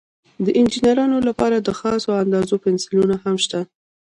د انجینرانو لپاره د خاصو اندازو پنسلونه هم شته.